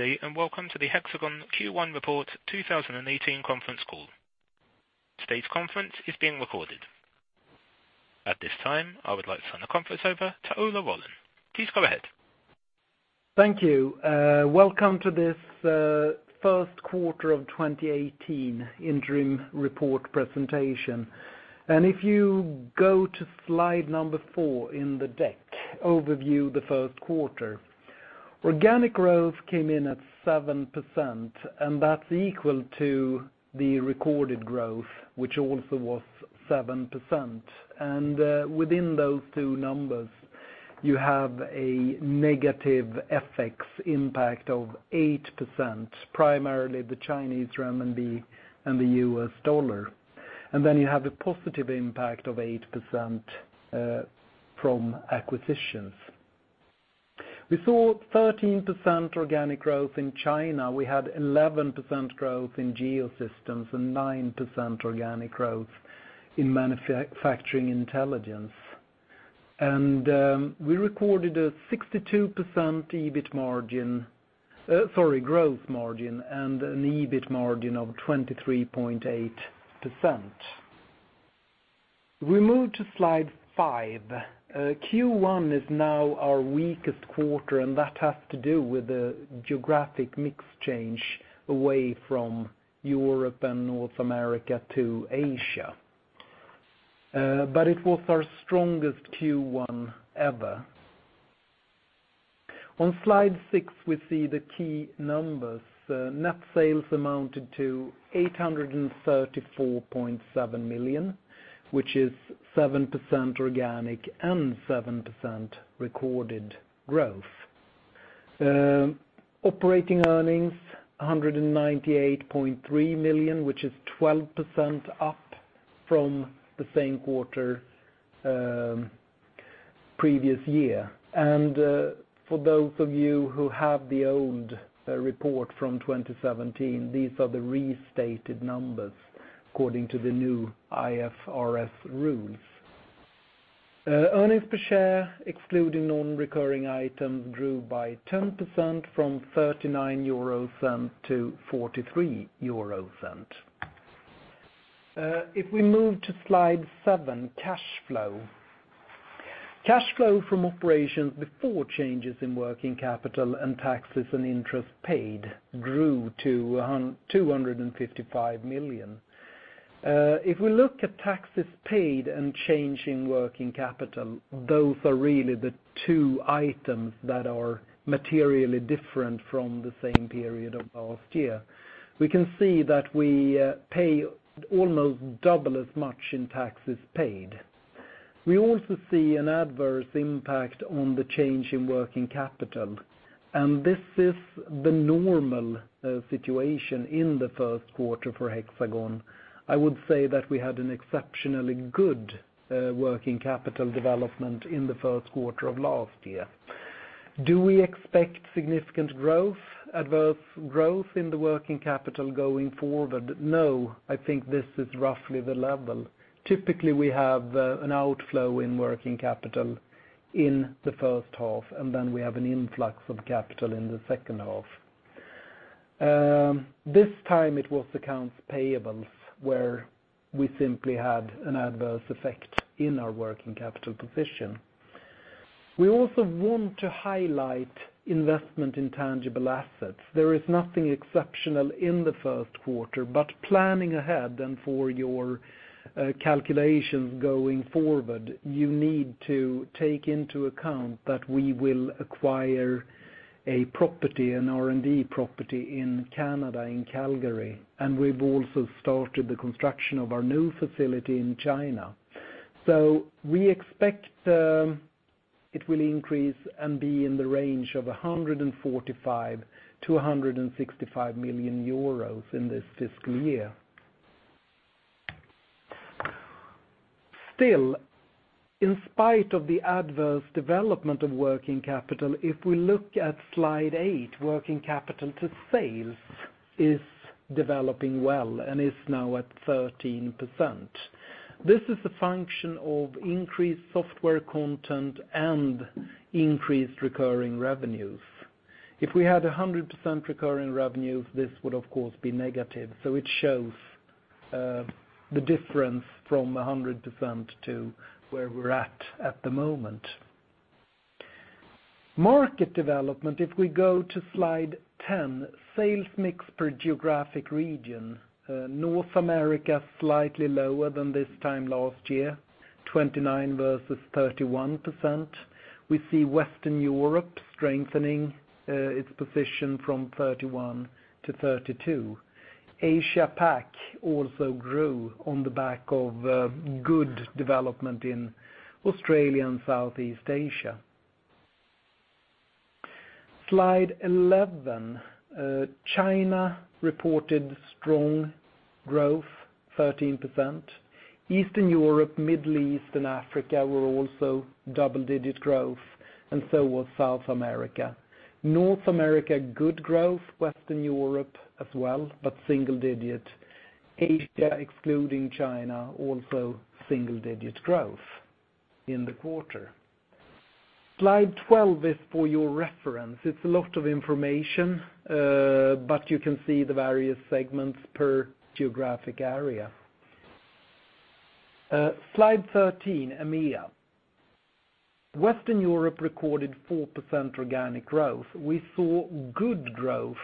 Good day, and welcome to the Hexagon Q1 Report 2018 Conference Call. Today's conference is being recorded. At this time, I would like to turn the conference over to Ola Rollén. Please go ahead. Thank you. Welcome to this first quarter of 2018 interim report presentation. If you go to slide number four in the deck, overview the first quarter. Organic growth came in at 7%, and that's equal to the recorded growth, which also was 7%. Within those two numbers, you have a negative FX impact of 8%, primarily the Chinese renminbi and the U.S. dollar. Then you have a positive impact of 8% from acquisitions. We saw 13% organic growth in China. We had 11% growth in Geosystems and 9% organic growth in Manufacturing Intelligence. We recorded a 62% growth margin and an EBIT margin of 23.8%. If we move to slide five. Q1 is now our weakest quarter. That has to do with the geographic mix change away from Europe and North America to Asia. But it was our strongest Q1 ever. On slide six, we see the key numbers. Net sales amounted to 834.7 million, which is 7% organic and 7% recorded growth. Operating earnings, 198.3 million, which is 12% up from the same quarter, previous year. For those of you who have the old report from 2017, these are the restated numbers according to the new IFRS rules. Earnings per share, excluding non-recurring items, grew by 10% from 0.39 to 0.43. If we move to slide seven, cash flow. Cash flow from operations before changes in working capital and taxes and interest paid grew to 255 million. If we look at taxes paid and change in working capital, those are really the two items that are materially different from the same period of last year. We can see that we pay almost double as much in taxes paid. We also see an adverse impact on the change in working capital. This is the normal situation in the first quarter for Hexagon. I would say that we had an exceptionally good working capital development in the first quarter of last year. Do we expect significant adverse growth in the working capital going forward? No, I think this is roughly the level. Typically, we have an outflow in working capital in the first half, then we have an influx of capital in the second half. This time it was accounts payables where we simply had an adverse effect in our working capital position. We also want to highlight investment in tangible assets. There is nothing exceptional in the first quarter, but planning ahead and for your calculations going forward, you need to take into account that we will acquire a property, an R&D property in Canada, in Calgary. We've also started the construction of our new facility in China. We expect it will increase and be in the range of 145 million-165 million euros in this fiscal year. Still, in spite of the adverse development of working capital, if we look at slide eight, working capital to sales is developing well and is now at 13%. This is a function of increased software content and increased recurring revenues. If we had 100% recurring revenues, this would of course be negative, so it shows the difference from 100% to where we're at the moment. Market development, if we go to slide 10, sales mix per geographic region. North America, slightly lower than this time last year, 29% versus 31%. We see Western Europe strengthening its position from 31% to 32%. Asia PAC also grew on the back of good development in Australia and Southeast Asia. Slide 11, China reported strong growth, 13%. Eastern Europe, Middle East, and Africa were also double-digit growth and so was South America. North America, good growth. Western Europe as well, but single-digit. Asia, excluding China, also single-digit growth. In the quarter. Slide 12 is for your reference. It's a lot of information, but you can see the various segments per geographic area. Slide 13, EMEA. Western Europe recorded 4% organic growth. We saw good growth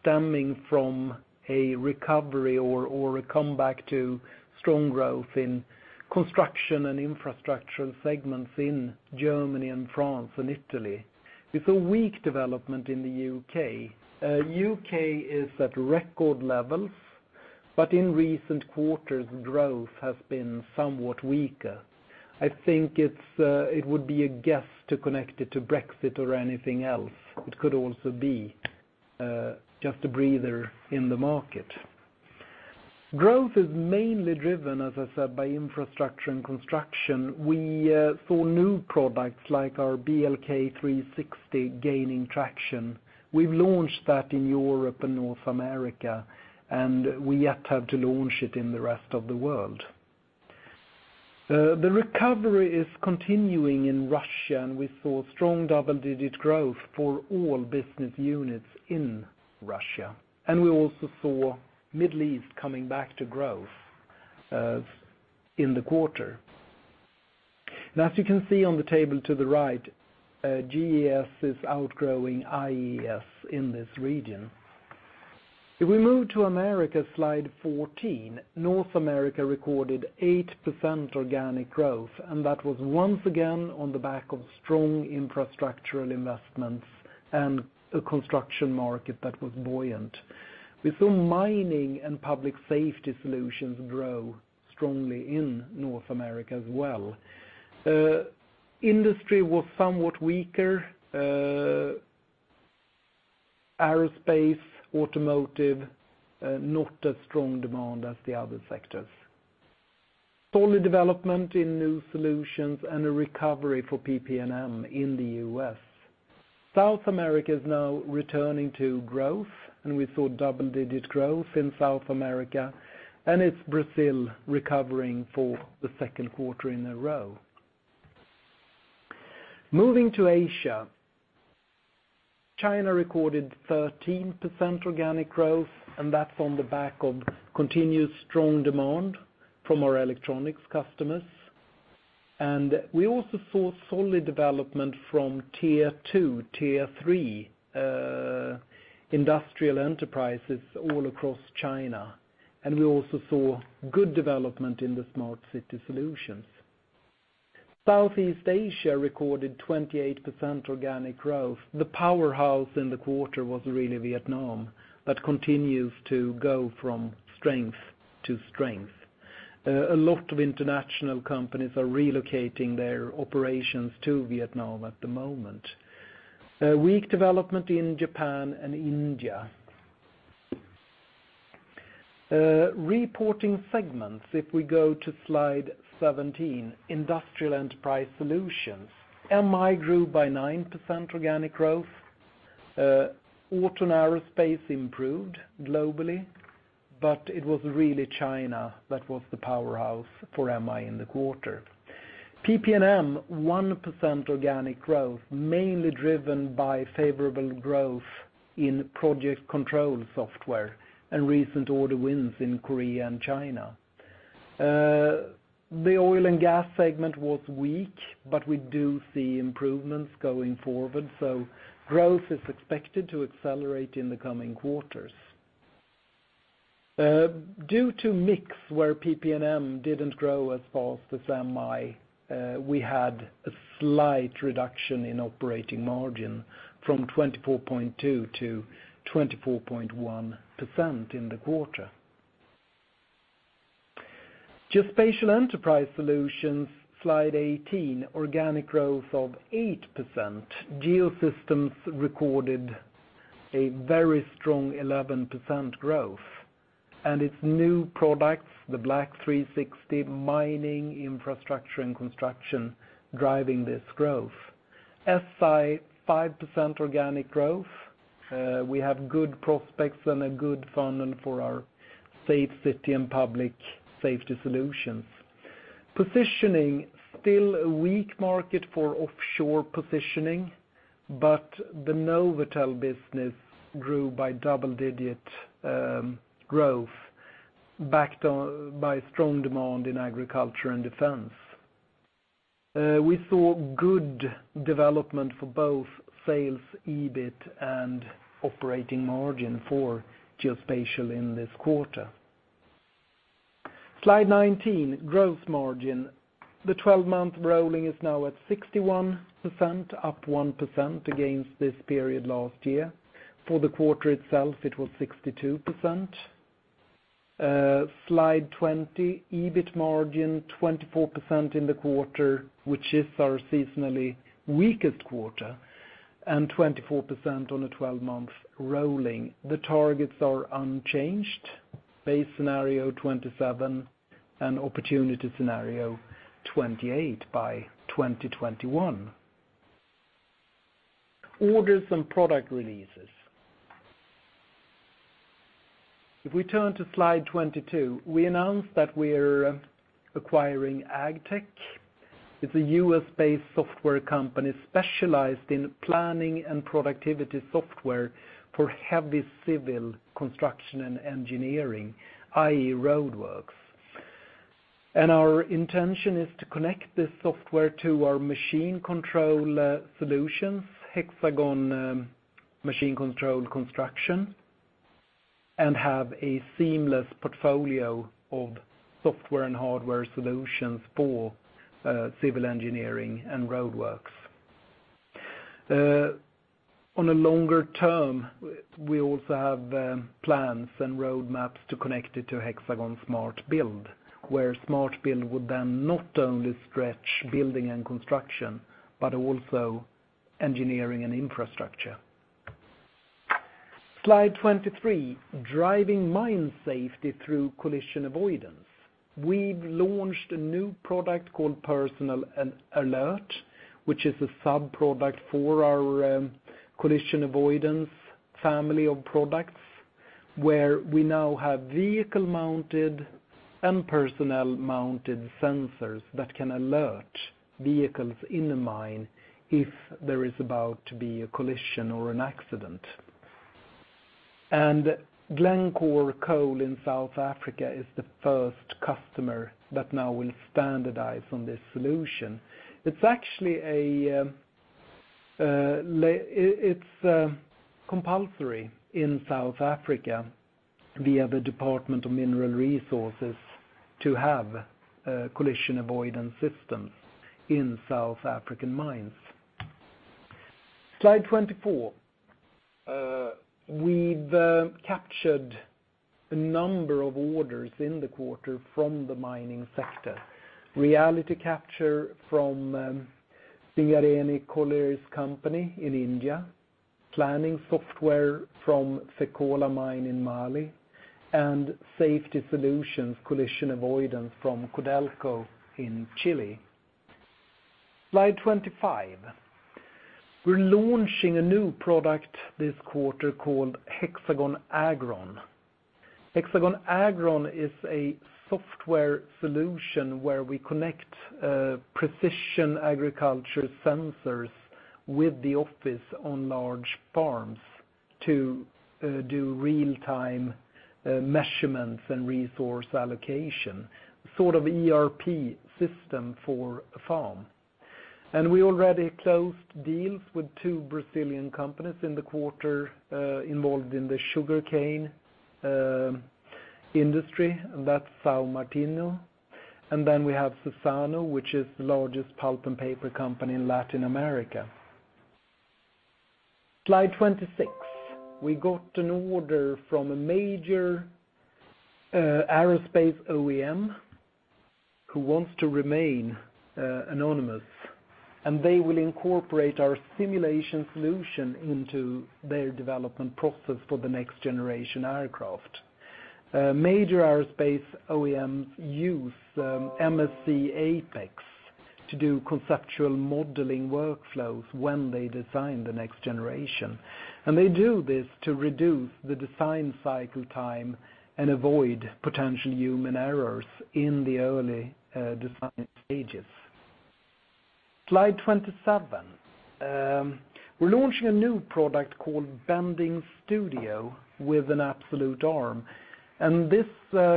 stemming from a recovery or a comeback to strong growth in construction and infrastructure segments in Germany and France and Italy. We saw weak development in the U.K. The U.K. is at record levels, but in recent quarters, growth has been somewhat weaker. I think it would be a guess to connect it to Brexit or anything else. It could also be just a breather in the market. Growth is mainly driven, as I said, by infrastructure and construction. We saw new products like our BLK360 gaining traction. We've launched that in Europe and North America, and we yet have to launch it in the rest of the world. The recovery is continuing in Russia, and we saw strong double-digit growth for all business units in Russia, and we also saw Middle East coming back to growth in the quarter. As you can see on the table to the right, GES is outgrowing IES in this region. If we move to America, slide 14, North America recorded 8% organic growth, and that was once again on the back of strong infrastructural investments and a construction market that was buoyant. We saw mining and public safety solutions grow strongly in North America as well. Industry was somewhat weaker. Aerospace, automotive, not as strong demand as the other sectors. Solid development in new solutions and a recovery for PP&M in the U.S. South America is now returning to growth, and we saw double-digit growth in South America, and it's Brazil recovering for the second quarter in a row. Moving to Asia. China recorded 13% organic growth, and that's on the back of continuous strong demand from our electronics customers. We also saw solid development from tier 2, tier 3 industrial enterprises all across China, and we also saw good development in the smart city solutions. Southeast Asia recorded 28% organic growth. The powerhouse in the quarter was really Vietnam. That continues to go from strength to strength. A lot of international companies are relocating their operations to Vietnam at the moment. Weak development in Japan and India. Reporting segments, if we go to Slide 17, Industrial Enterprise Solutions. MI grew by 9% organic growth. Auto and aerospace improved globally. It was really China that was the powerhouse for MI in the quarter. PP&M, 1% organic growth, mainly driven by favorable growth in project control software and recent order wins in Korea and China. The oil and gas segment was weak. We do see improvements going forward. Growth is expected to accelerate in the coming quarters. Due to mix where PP&M didn't grow as fast as MI, we had a slight reduction in operating margin from 24.2% to 24.1% in the quarter. Geospatial Enterprise Solutions, Slide 18, organic growth of 8%. Geosystems recorded a very strong 11% growth, and its new products, the BLK360 mining infrastructure and construction, driving this growth. SI, 5% organic growth. We have good prospects and a good funnel for our safe city and public safety solutions. Positioning, still a weak market for offshore positioning. The NovAtel business grew by double-digit growth, backed by strong demand in agriculture and defense. We saw good development for both sales, EBIT, and operating margin for geospatial in this quarter. Slide 19, growth margin. The 12-month rolling is now at 61%, up 1% against this period last year. For the quarter itself, it was 62%. Slide 20, EBIT margin, 24% in the quarter, which is our seasonally weakest quarter, and 24% on a 12-month rolling. The targets are unchanged. Base scenario, 27, and opportunity scenario, 28 by 2021. Orders and product releases. If we turn to Slide 22, we announced that we're acquiring AGTEK. It's a U.S.-based software company specialized in planning and productivity software for heavy civil construction and engineering, i.e., roadworks. Our intention is to connect this software to our machine control solutions, Hexagon machine control Construction, and have a seamless portfolio of software and hardware solutions for civil engineering and roadworks. On a longer term, we also have plans and roadmaps to connect it to HxGN SMART Build, where HxGN SMART Build would not only stretch building and construction, but also engineering and infrastructure. Slide 23, driving mine safety through collision avoidance. We've launched a new product called Personal Alert, which is a sub-product for our collision avoidance family of products, where we now have vehicle-mounted and personnel-mounted sensors that can alert vehicles in the mine if there is about to be a collision or an accident. Glencore Coal in South Africa is the first customer that now will standardize on this solution. It's compulsory in South Africa via the Department of Mineral Resources to have collision avoidance systems in South African mines. Slide 24. We've captured a number of orders in the quarter from the mining sector. Reality capture from Singareni Collieries Company in India, planning software from Fekola Mine in Mali, and safety solutions collision avoidance from Codelco in Chile. Slide 25. We're launching a new product this quarter called HxGN AgrOn. HxGN AgrOn is a software solution where we connect precision agriculture sensors with the office on large farms to do real-time measurements and resource allocation, sort of ERP system for farm. We already closed deals with two Brazilian companies in the quarter, involved in the sugarcane industry, and that's São Martinho. We have Suzano, which is the largest pulp and paper company in Latin America. Slide 26. We got an order from a major aerospace OEM who wants to remain anonymous, and they will incorporate our simulation solution into their development process for the next generation aircraft. Major aerospace OEMs use MSC Apex to do conceptual modeling workflows when they design the next generation. They do this to reduce the design cycle time and avoid potential human errors in the early design stages. Slide 27. We are launching a new product called BendingStudio with an Absolute Arm, and this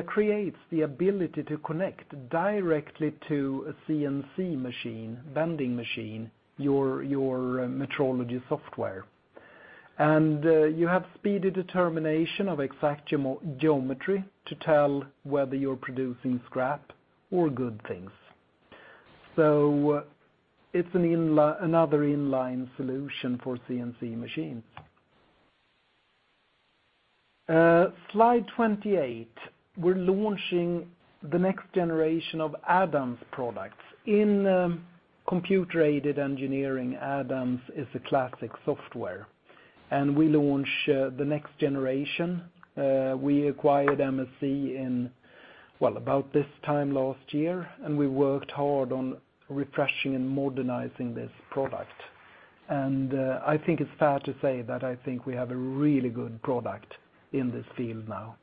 creates the ability to connect directly to a CNC machine, bending machine, your metrology software. You have speedy determination of exact geometry to tell whether you are producing scrap or good things. So it is another in-line solution for CNC machines. Slide 28. We are launching the next generation of Adams products. In computer-aided engineering, Adams is a classic software, and we launch the next generation. We acquired MSC in, well, about this time last year, and we worked hard on refreshing and modernizing this product. I think it is fair to say that I think we have a really good product in this field now.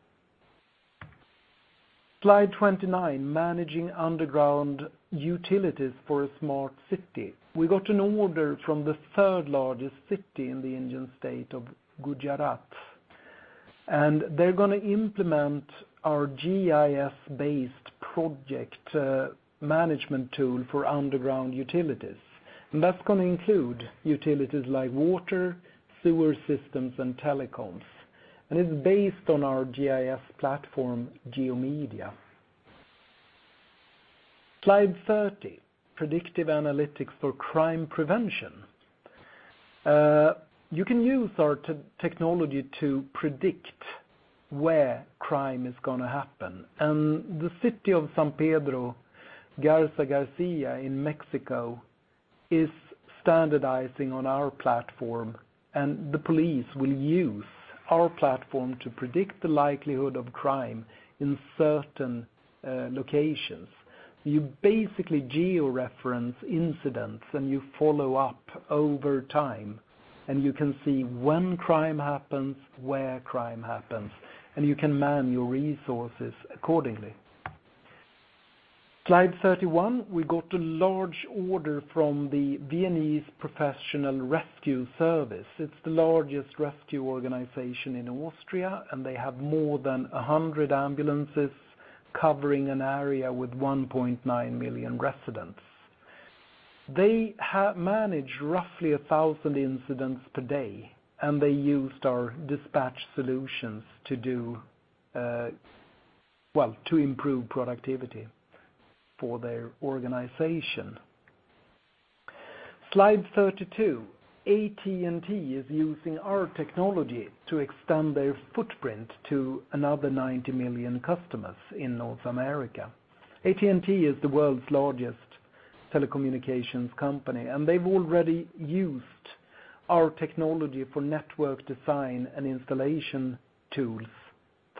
Slide 29, managing underground utilities for a smart city. We got an order from the 3rd largest city in the Indian state of Gujarat, and they are going to implement our GIS-based project management tool for underground utilities. That is going to include utilities like water, sewer systems, and telecoms. It is based on our GIS platform, GeoMedia. Slide 30, predictive analytics for crime prevention. You can use our technology to predict where crime is going to happen. The city of San Pedro Garza García in Mexico is standardizing on our platform, and the police will use our platform to predict the likelihood of crime in certain locations. You basically geo-reference incidents, and you follow up over time, and you can see when crime happens, where crime happens, and you can man your resources accordingly. Slide 31. We got a large order from the Viennese Professional Rescue Service. It is the largest rescue organization in Austria, and they have more than 100 ambulances covering an area with 1.9 million residents. They manage roughly 1,000 incidents per day, and they used our dispatch solutions to improve productivity for their organization. Slide 32. AT&T is using our technology to extend their footprint to another 90 million customers in North America. AT&T is the world's largest telecommunications company, and they have already used our technology for network design and installation tools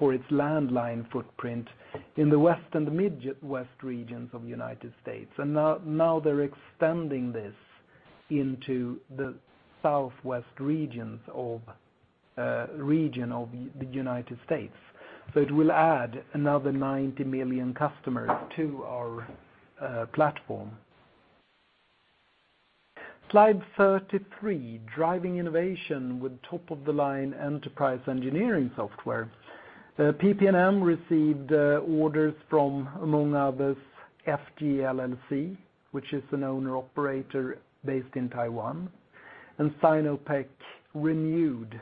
for its landline footprint in the West and Midwest regions of the U.S. Now they are extending this into the Southwest region of the U.S. So it will add another 90 million customers to our platform. Slide 33, driving innovation with top-of-the-line enterprise engineering software. PP&M received orders from, among others, FG LLC, which is an owner/operator based in Taiwan, and Sinopec renewed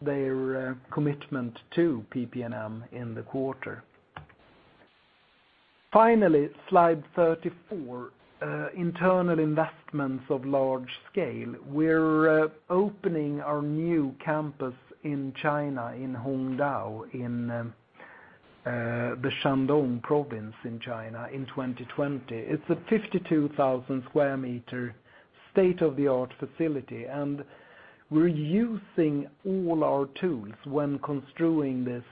their commitment to PP&M in the quarter. Finally, slide 34, internal investments of large scale. We are opening our new campus in China, in Hongdao, in the Shandong province in China in 2020. It is a 52,000 sq m state-of-the-art facility, and we are using all our tools when construing this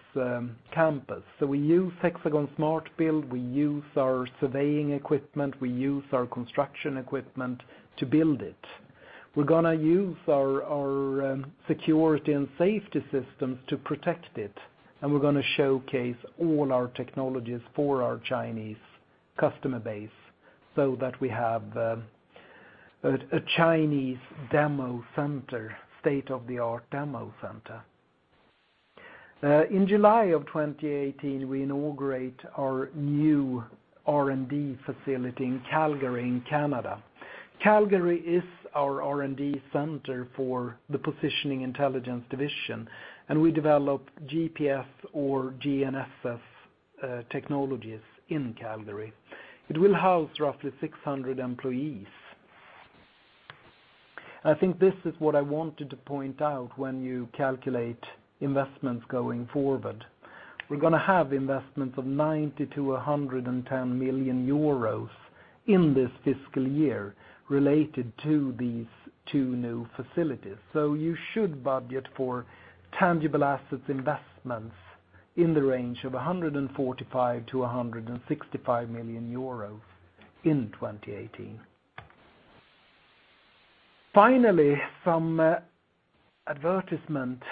campus. So we use HxGN SMART Build, we use our surveying equipment, we use our construction equipment to build it. We are going to use our security and safety systems to protect it, and we are going to showcase all our technologies for our Chinese customer base so that we have a Chinese state-of-the-art demo center. In July of 2018, we inaugurate our new R&D facility in Calgary, in Canada. Calgary is our R&D center for the Positioning Intelligence division, and we develop GPS or GNSS technologies in Calgary. It will house roughly 600 employees. I think this is what I wanted to point out when you calculate investments going forward. We're going to have investments of 90 million-110 million euros in this fiscal year related to these two new facilities. You should budget for tangible assets investments in the range of 145 million-165 million euros in 2018. Finally, some advertisement.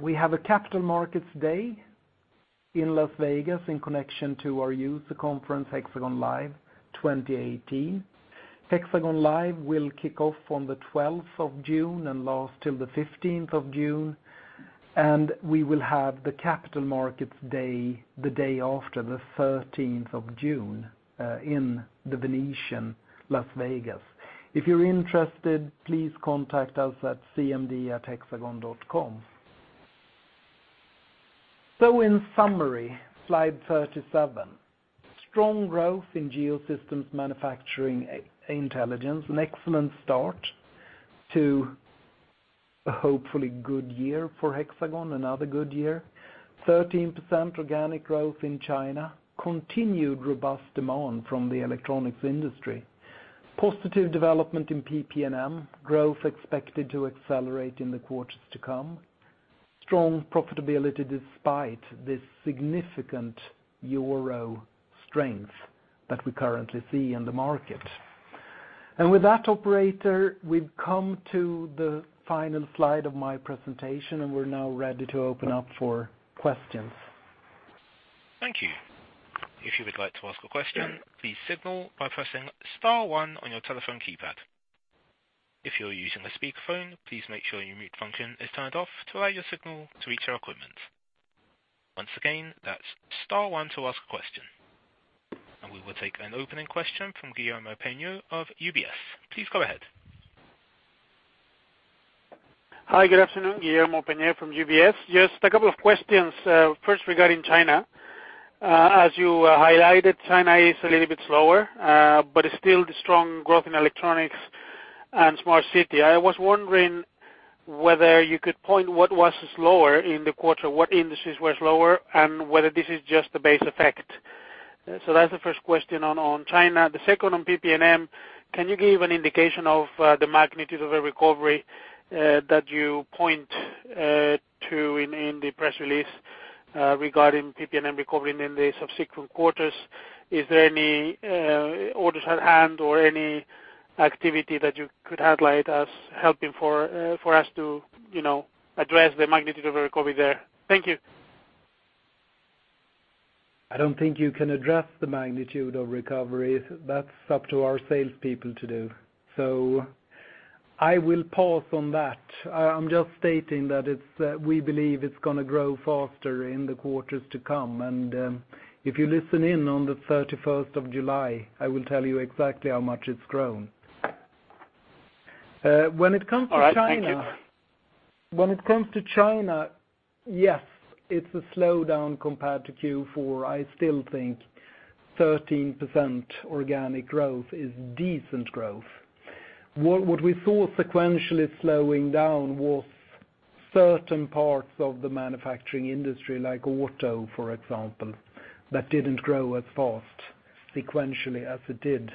We have a capital markets day in Las Vegas in connection to our user conference, HxGN LIVE 2018. HxGN LIVE will kick off on the 12th of June and last till the 15th of June. We will have the capital markets day, the day after the 13th of June, in The Venetian, Las Vegas. If you're interested, please contact us at cmd@hexagon.com. In summary, slide 37. Strong growth in Geosystems, Manufacturing Intelligence, an excellent start to a hopefully good year for Hexagon, another good year. 13% organic growth in China. Continued robust demand from the electronics industry. Positive development in PP&M, growth expected to accelerate in the quarters to come. Strong profitability despite this significant EUR strength that we currently see in the market. With that, operator, we've come to the final slide of my presentation, and we're now ready to open up for questions. Thank you. If you would like to ask a question, please signal by pressing star one on your telephone keypad. If you're using a speakerphone, please make sure your mute function is turned off to allow your signal to reach our equipment. Once again, that's star one to ask a question. We will take an opening question from Guillermo Peňa of UBS. Please go ahead. Hi, good afternoon. Guillermo Peňa from UBS. Just a couple of questions. First, regarding China. As you highlighted, China is a little bit slower, but it's still the strong growth in electronics and smart city. I was wondering whether you could point what was slower in the quarter, what indices were slower, and whether this is just the base effect. That's the first question on China. The second on PP&M, can you give an indication of the magnitude of a recovery that you point to in the press release? Regarding PP&M recovering in the subsequent quarters, is there any orders at hand or any activity that you could highlight as helping for us to address the magnitude of recovery there? Thank you. I don't think you can address the magnitude of recovery. That's up to our salespeople to do. I will pause on that. I'm just stating that we believe it's going to grow faster in the quarters to come. If you listen in on the 31st of July, I will tell you exactly how much it's grown. When it comes to China- All right. Thank you. When it comes to China, yes, it's a slowdown compared to Q4. I still think 13% organic growth is decent growth. What we saw sequentially slowing down was certain parts of the manufacturing industry, like auto, for example, that didn't grow as fast sequentially as it did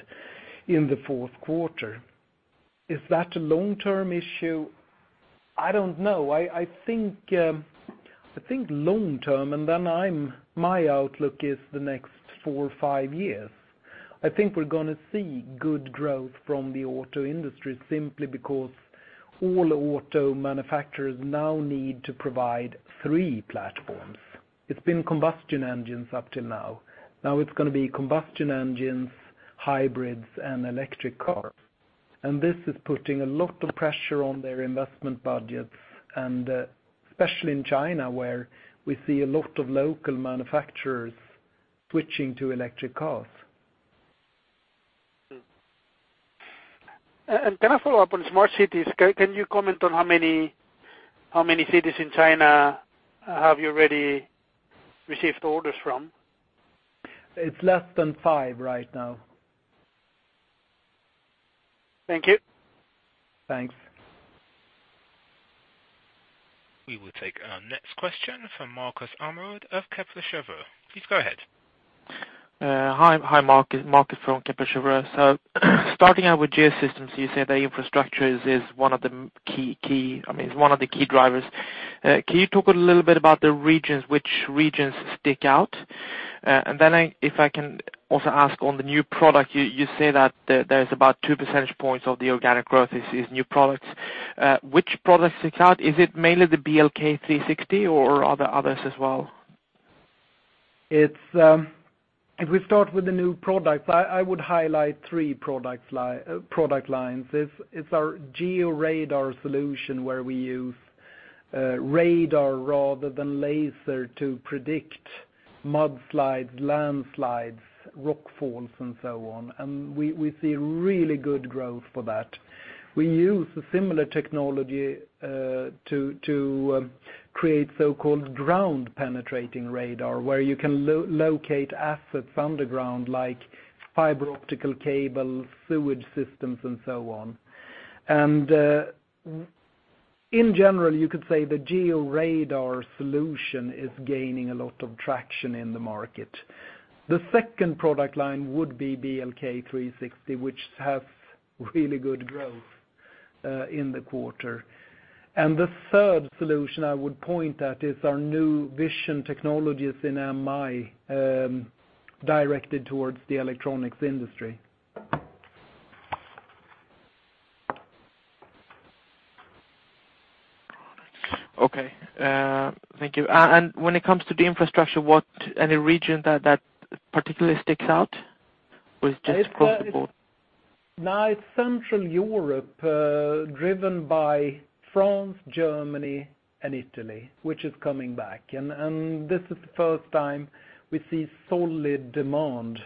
in the fourth quarter. Is that a long-term issue? I don't know. I think long-term, then my outlook is the next four or five years. I think we're going to see good growth from the auto industry simply because all auto manufacturers now need to provide three platforms. It's been combustion engines up till now. Now it's going to be combustion engines, hybrids, and electric cars. This is putting a lot of pressure on their investment budgets, and especially in China, where we see a lot of local manufacturers switching to electric cars. Can I follow up on smart cities? Can you comment on how many cities in China have you already received orders from? It's less than five right now. Thank you. Thanks. We will take our next question from Marcus Amrud of Kepler Cheuvreux. Please go ahead. Hi, Marcus from Kepler Cheuvreux. Starting out with Geosystems, you say that infrastructure is one of the key drivers. Can you talk a little bit about the regions? Which regions stick out? If I can also ask on the new product, you say that there is about two percentage points of the organic growth is new products. Which products stick out? Is it mainly the BLK360 or are there others as well? If we start with the new products, I would highlight three product lines. It's our GeoRadar solution, where we use radar rather than laser to predict mudslides, landslides, rock falls, and so on. We see really good growth for that. We use a similar technology to create so-called ground-penetrating radar, where you can locate assets underground, like fiber optical cable, sewage systems, and so on. In general, you could say the GeoRadar solution is gaining a lot of traction in the market. The second product line would be BLK360, which has really good growth in the quarter. The third solution I would point at is our new vision technologies in MI, directed towards the electronics industry. Okay. Thank you. When it comes to the infrastructure, any region that particularly sticks out, or it's just across the board? Now it's Central Europe, driven by France, Germany, and Italy, which is coming back. This is the first time we see solid demand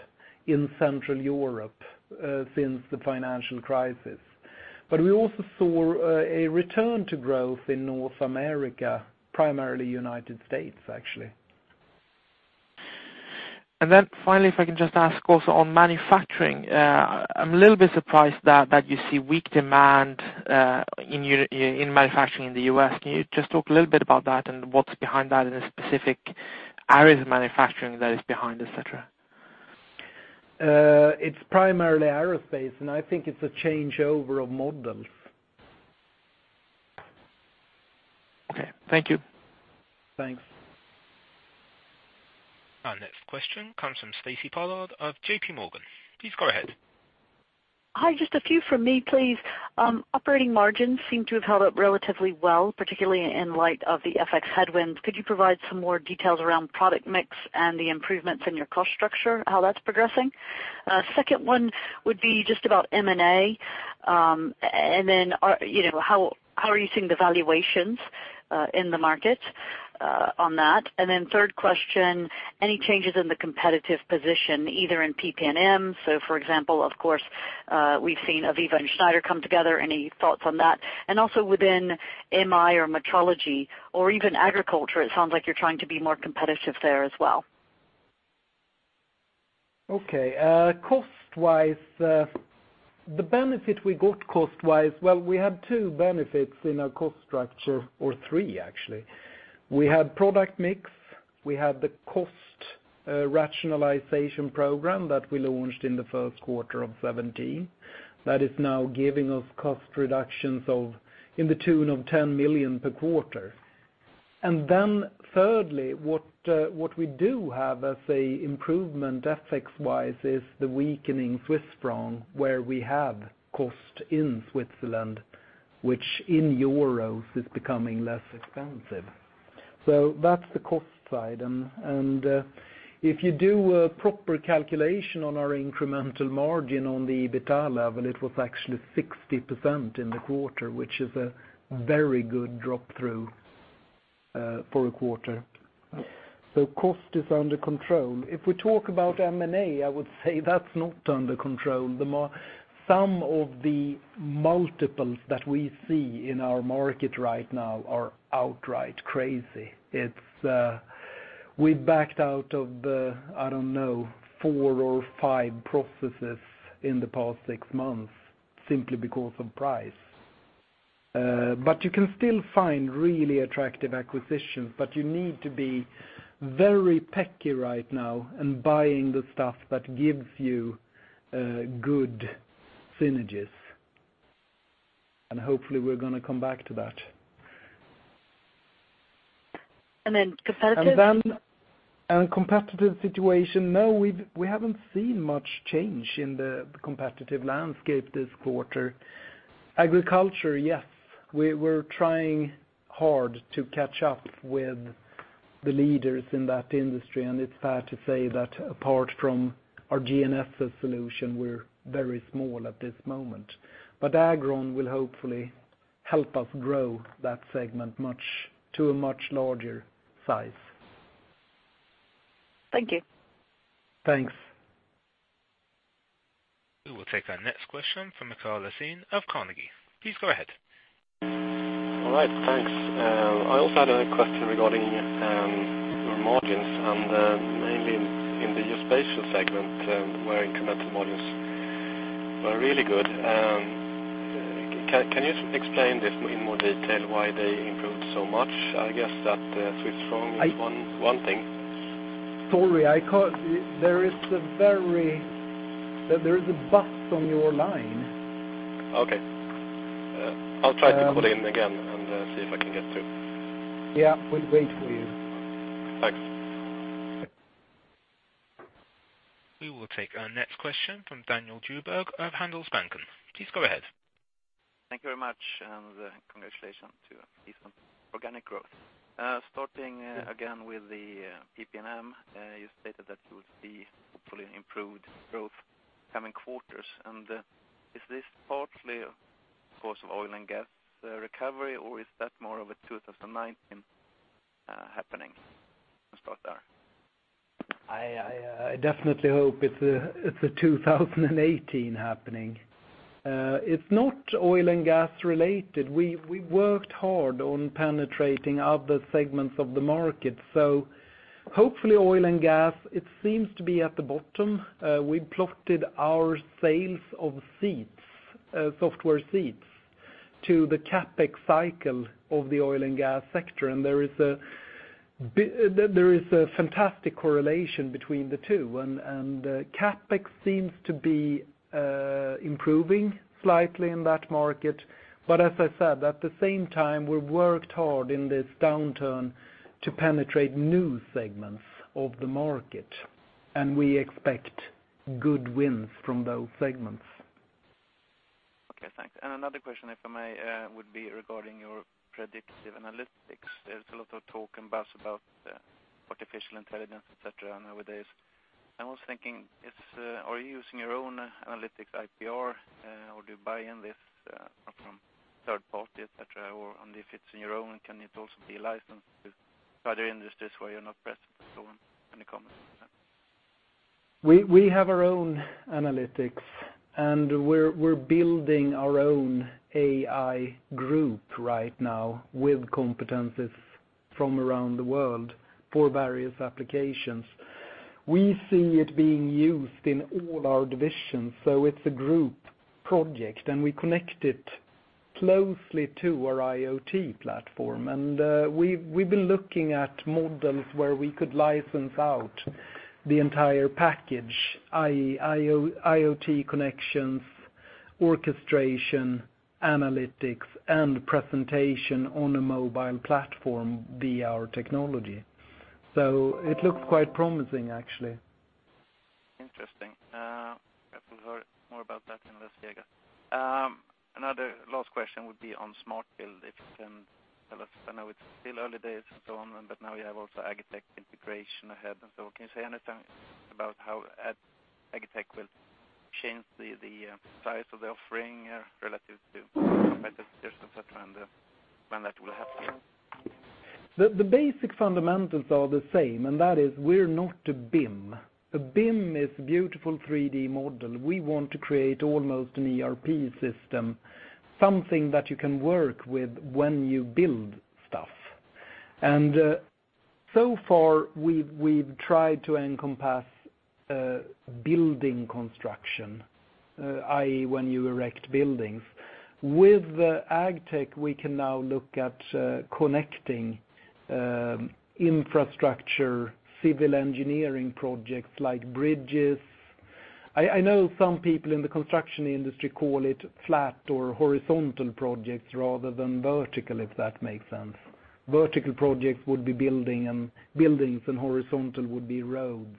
in Central Europe since the financial crisis. We also saw a return to growth in North America, primarily United States, actually. Finally, if I can just ask also on manufacturing, I'm a little bit surprised that you see weak demand in manufacturing in the U.S. Can you just talk a little bit about that and what's behind that in the specific areas of manufacturing that is behind, et cetera? It's primarily aerospace, and I think it's a changeover of models. Okay. Thank you. Thanks. Our next question comes from Stacy Pollard of J.P. Morgan. Please go ahead. Hi, just a few from me, please. Operating margins seem to have held up relatively well, particularly in light of the FX headwinds. Could you provide some more details around product mix and the improvements in your cost structure, how that's progressing? Second one would be just about M&A, and then how are you seeing the valuations in the market on that? Third question, any changes in the competitive position, either in PP&M, so for example, of course, we've seen AVEVA and Schneider come together. Any thoughts on that? Also within MI or metrology or even agriculture, it sounds like you're trying to be more competitive there as well. Okay. Cost-wise, the benefit we got cost-wise, well, we had two benefits in our cost structure, or three, actually. We had product mix, we had the cost rationalization program that we launched in the first quarter of 2017, that is now giving us cost reductions in the tune of 10 million per quarter. Thirdly, what we do have as an improvement, FX-wise, is the weakening Swiss franc, where we have cost in Switzerland, which in EUR is becoming less expensive. That's the cost side. If you do a proper calculation on our incremental margin on the EBITDA level, it was actually 60% in the quarter, which is a very good drop-through for a quarter. Cost is under control. If we talk about M&A, I would say that's not under control. Some of the multiples that we see in our market right now are outright crazy. We backed out of, I don't know, four or five processes in the past six months simply because of price. You can still find really attractive acquisitions, but you need to be very picky right now in buying the stuff that gives you good synergies, hopefully we're going to come back to that. And then competitive- Competitive situation, no, we haven't seen much change in the competitive landscape this quarter. Agriculture, yes. We're trying hard to catch up with the leaders in that industry, it's fair to say that apart from our GNSS solution, we're very small at this moment. HxGN AgrOn will hopefully help us grow that segment to a much larger size. Thank you. Thanks. We will take our next question from Mikael Laséen of Carnegie. Please go ahead. All right. Thanks. I also had a question regarding your margins, mainly in the Geospatial segment, where incremental margins were really good. Can you explain this in more detail, why they improved so much? I guess that Swiss franc is one thing. Sorry, there is a buzz on your line. Okay. I'll try to call in again and see if I can get through. Yeah. We'll wait for you. Thanks. We will take our next question from Daniel Djurberg of Handelsbanken. Please go ahead. Thank you very much. Congratulations to you for organic growth. Starting again with the PP&M, you stated that you will see hopefully improved growth coming quarters. Is this partly because of oil and gas recovery, or is that more of a 2019 happening? I'll start there. I definitely hope it's a 2018 happening. It's not oil and gas-related. We worked hard on penetrating other segments of the market. Hopefully oil and gas, it seems to be at the bottom. We plotted our sales of seats, software seats, to the CapEx cycle of the oil and gas sector, there is a fantastic correlation between the two. CapEx seems to be improving slightly in that market. As I said, at the same time, we've worked hard in this downturn to penetrate new segments of the market, we expect good wins from those segments. Okay, thanks. Another question, if I may, would be regarding your predictive analytics. There's a lot of talk and buzz about artificial intelligence, et cetera, nowadays. I was thinking, are you using your own analytics IPR, or do you buy in this from third party, et cetera, or only if it's in your own, can it also be licensed to other industries where you're not present? Any comments on that? We have our own analytics, we're building our own AI group right now with competencies from around the world for various applications. We see it being used in all our divisions, so it's a group project, we connect it closely to our IoT platform. We've been looking at models where we could license out the entire package, i.e., IoT connections, orchestration, analytics, presentation on a mobile platform via our technology. It looks quite promising, actually. Interesting. Perhaps we'll hear more about that in Las Vegas. Another last question would be on SMART Build. If you can tell us, I know it's still early days and so on, but now you have also AGTEK integration ahead. Can you say anything about how AGTEK will change the Zeiss of the offering relative to competitors, et cetera, when that will happen? The basic fundamentals are the same, and that is we're not a BIM. A BIM is a beautiful 3D model. We want to create almost an ERP system, something that you can work with when you build stuff. So far, we've tried to encompass Building construction, i.e., when you erect buildings. With AGTEK, we can now look at connecting infrastructure, civil engineering projects like bridges. I know some people in the construction industry call it flat or horizontal projects rather than vertical, if that makes sense. Vertical projects would be buildings, and horizontal would be roads,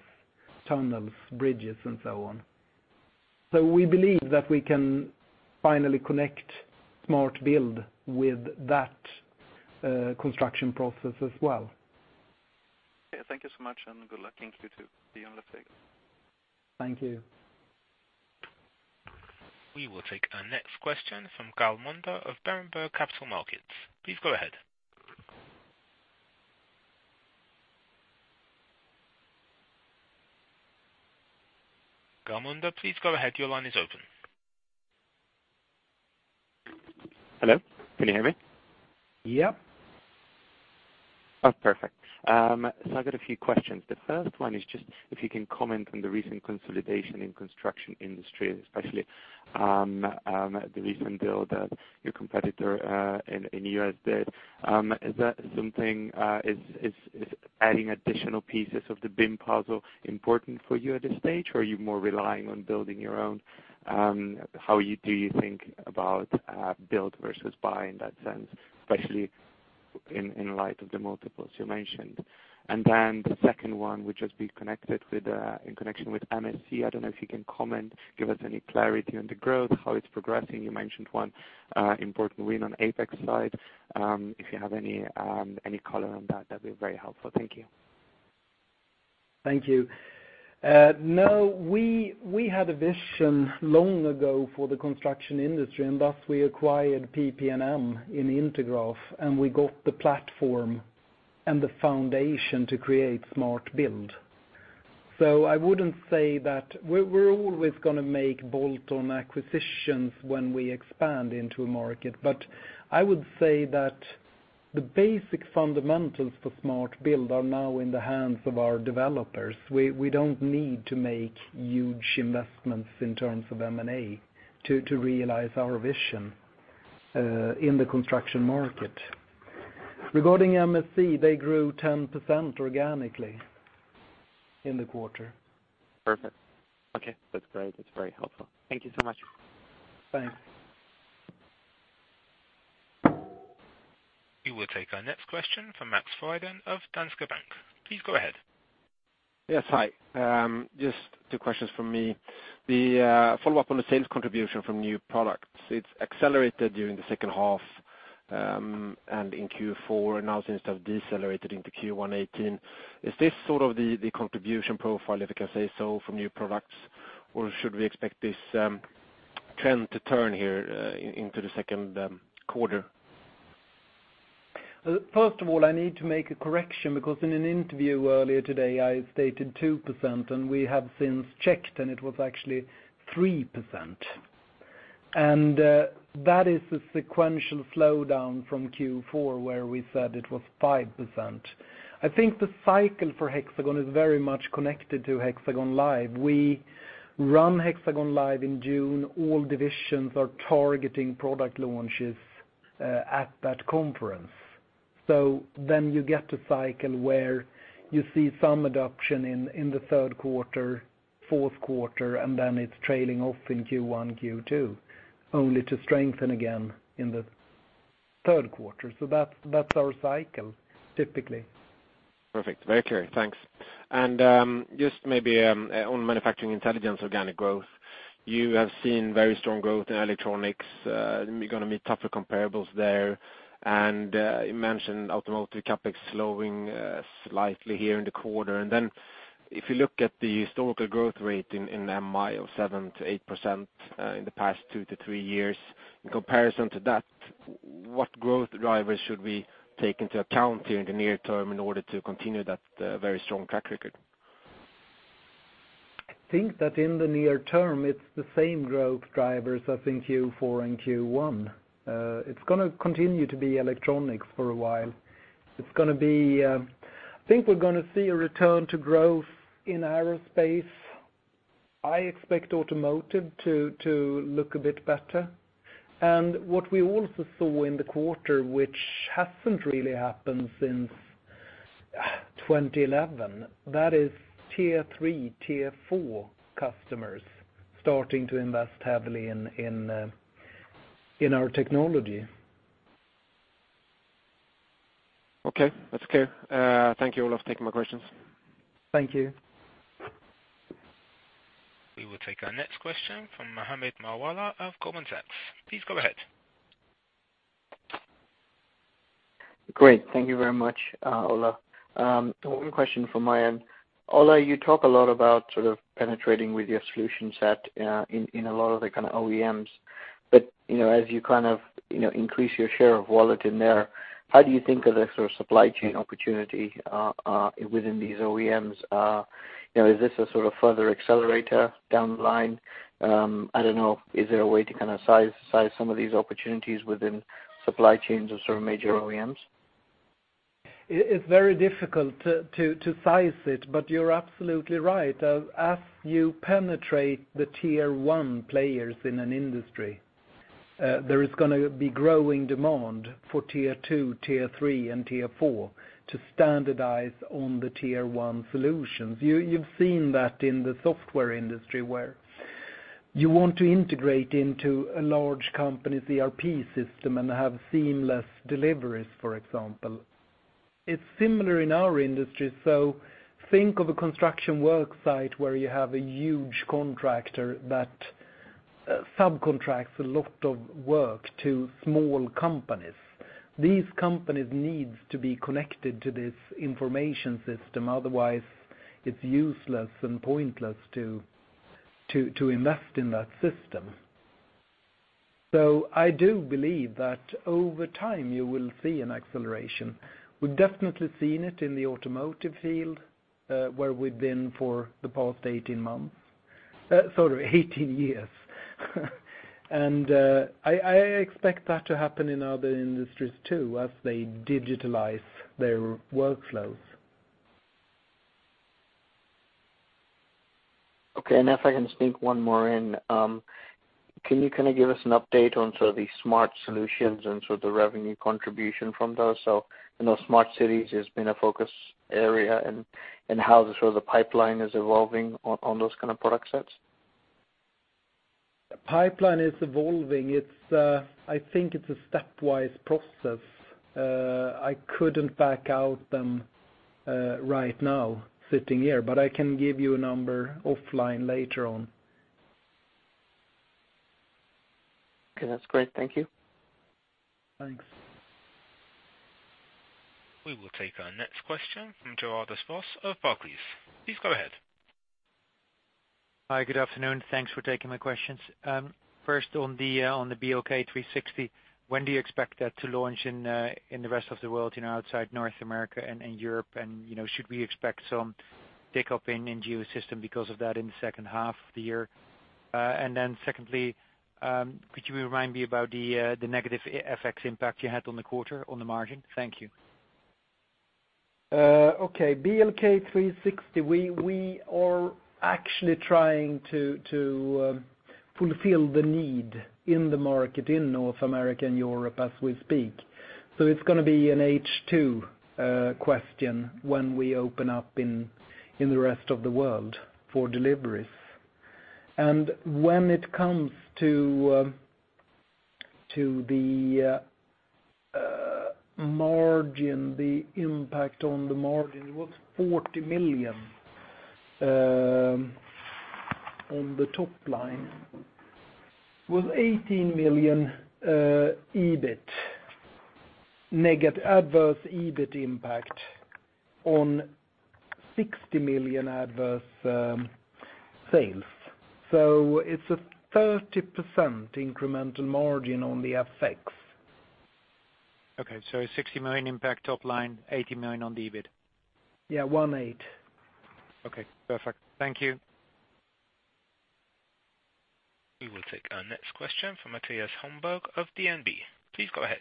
tunnels, bridges, and so on. We believe that we can finally connect Smart Build with that construction process as well. Okay. Thank you so much, and good luck. Thank you too. See you on Hexagon. Thank you. We will take our next question from Carl Munda of Berenberg Capital Markets. Please go ahead. Carl Munda, please go ahead. Your line is open. Hello, can you hear me? Yep. Perfect. I've got a few questions. The first one is just if you can comment on the recent consolidation in construction industry, especially the recent build that your competitor, in the U.S. did. Is adding additional pieces of the BIM puzzle important for you at this stage, or are you more relying on building your own? How do you think about build versus buy in that sense, especially in light of the multiples you mentioned? The second one would just be in connection with MSC. I don't know if you can comment, give us any clarity on the growth, how it's progressing. You mentioned one important win on APEX side. If you have any comment on that'd be very helpful. Thank you. Thank you. We had a vision long ago for the construction industry, thus we acquired PP&M in Intergraph, and we got the platform and the foundation to create HxGN SMART Build. We're always going to make bolt-on acquisitions when we expand into a market. I would say that the basic fundamentals for HxGN SMART Build are now in the hands of our developers. We don't need to make huge investments in terms of M&A to realize our vision in the construction market. Regarding MSC, they grew 10% organically in the quarter. Perfect. Okay. That's great. That's very helpful. Thank you so much. Thanks. We will take our next question from Max Freiden of Danske Bank. Please go ahead. Yes. Hi. Just two questions from me. The follow-up on the sales contribution from new products. It's accelerated during the second half, and in Q4, and now seems to have decelerated into Q1 2018. Is this sort of the contribution profile, if I can say so, from new products, or should we expect this trend to turn here into the second quarter? First of all, I need to make a correction because in an interview earlier today, I stated 2%, and we have since checked, and it was actually 3%. That is a sequential slowdown from Q4, where we said it was 5%. I think the cycle for Hexagon is very much connected to Hexagon LIVE. We run Hexagon LIVE in June. All divisions are targeting product launches at that conference. Then you get a cycle where you see some adoption in the third quarter, fourth quarter, and then it's trailing off in Q1, Q2, only to strengthen again in the third quarter. That's our cycle, typically. Perfect. Very clear. Thanks. Just maybe on Manufacturing Intelligence organic growth, you have seen very strong growth in electronics. You're going to meet tougher comparables there. You mentioned automotive CapEx slowing slightly here in the quarter. If you look at the historical growth rate in MI of 7%-8% in the past two to three years, in comparison to that, what growth drivers should we take into account here in the near term in order to continue that very strong track record? I think that in the near term, it's the same growth drivers as in Q4 and Q1. It's going to continue to be electronics for a while. I think we're going to see a return to growth in aerospace. I expect automotive to look a bit better. What we also saw in the quarter, which hasn't really happened since 2011, that is tier 3, tier 4 customers starting to invest heavily in our technology. Okay. That's clear. Thank you, Ola, for taking my questions. Thank you. We will take our next question from Mohammed Moawalla of Goldman Sachs. Please go ahead. Great. Thank you very much, Ola. One question from my end. Ola, you talk a lot about sort of penetrating with your solution set in a lot of the kind of OEMs. As you increase your share of wallet in there, how do you think of the sort of supply chain opportunity within these OEMs? Is this a sort of further accelerator down the line? I don't know. Is there a way to kind of Zeiss some of these opportunities within supply chains of sort of major OEMs? It's very difficult to Zeiss it, you're absolutely right. As you penetrate the tier 1 players in an industry, there is going to be growing demand for tier 2, tier 3, and tier 4 to standardize on the tier 1 solutions. You've seen that in the software industry where you want to integrate into a large company's ERP system and have seamless deliveries, for example. It's similar in our industry. Think of a construction work site where you have a huge contractor that subcontracts a lot of work to small companies. These companies need to be connected to this information system, otherwise it's useless and pointless to invest in that system. I do believe that over time you will see an acceleration. We've definitely seen it in the automotive field, where we've been for the past 18 months. Sorry, 18 years. I expect that to happen in other industries too, as they digitalize their workflows. Okay. If I can sneak one more in, can you give us an update on the smart solutions and the revenue contribution from those? I know Smart Cities has been a focus area, and how the pipeline is evolving on those kind of product sets. Pipeline is evolving. I think it's a stepwise process. I couldn't back out them, right now sitting here, but I can give you a number offline later on. Okay. That's great. Thank you. Thanks. We will take our next question from Gerardo Grosso of Barclays. Please go ahead. Hi. Good afternoon. Thanks for taking my questions. First on the BLK360, when do you expect that to launch in the rest of the world outside North America and Europe? Should we expect some take-up in Geosystems because of that in the second half of the year? Secondly, could you remind me about the negative FX impact you had on the quarter on the margin? Thank you. Okay. BLK360. We are actually trying to fulfill the need in the market in North America and Europe as we speak. It's going to be an H2 question when we open up in the rest of the world for deliveries. When it comes to the margin, the impact on the margin was 40 million on the top line, with EUR 18 million EBIT, adverse EBIT impact on 60 million adverse sales. It's a 30% incremental margin on the FX. Okay, 60 million impact top line, 18 million on the EBIT? Yeah. One, eight. Okay, perfect. Thank you. We will take our next question from Mattias Holmberg of DNB. Please go ahead.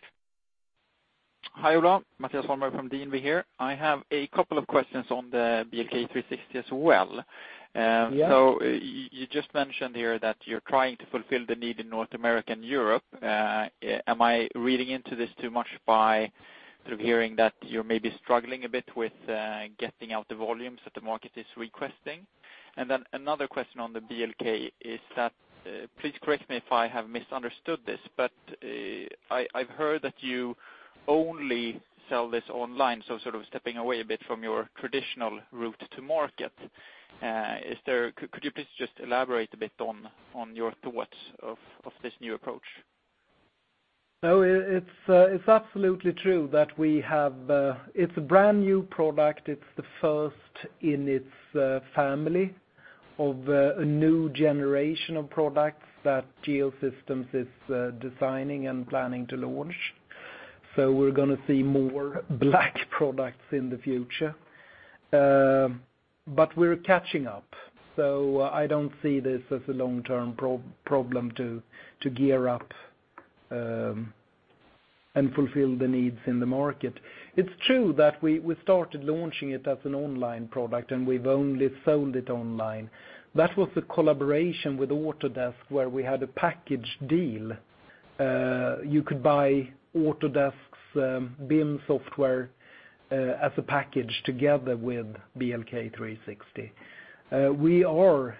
Hi, Ola. Mattias Holmberg from DNB here. I have a couple of questions on the BLK360 as well. Yeah. You just mentioned here that you're trying to fulfill the need in North America and Europe. Am I reading into this too much by sort of hearing that you're maybe struggling a bit with getting out the volumes that the market is requesting? Then another question on the BLK is that, please correct me if I have misunderstood this, but I've heard that you only sell this online, so sort of stepping away a bit from your traditional route to market. Could you please just elaborate a bit on your thoughts of this new approach? No, it's absolutely true. It's a brand-new product. It's the first in its family of a new generation of products that Geosystems is designing and planning to launch. We're going to see more BLK products in the future. We're catching up. I don't see this as a long-term problem to gear up, and fulfill the needs in the market. It's true that we started launching it as an online product, and we've only sold it online. That was a collaboration with Autodesk, where we had a package deal. You could buy Autodesk's BIM software as a package together with BLK360. We are,